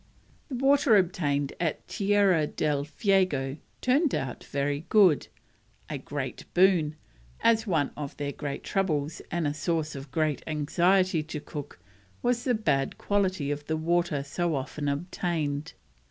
The water obtained at Tierra del Fuego turned out very good: a great boon, as one of their great troubles and a source of great anxiety to Cook was the bad quality of the water so often obtained.